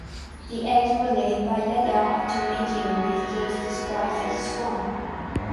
The eggs were laid by Leda after mating with Zeus disguised as a swan.